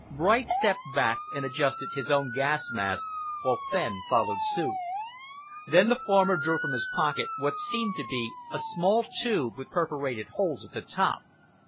Bright stepped back and adjusted his own gas mask, while Fenn followed suit. Then the former drew from his pocket what seemed to be a small tube with perforated holes at the top.